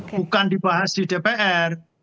bukan dibahas di dpr